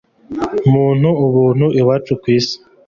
muntu ubuntu iwacu ku isi